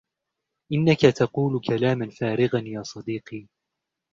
إنك تقول كلاما فارغا يا صديقي.